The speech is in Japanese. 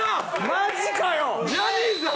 マジかよ！